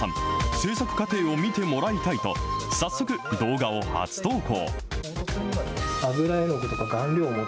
製作過程を見てもらいたいと、早速、動画を初投稿。